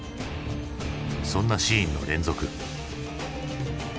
そんなシーンの連続。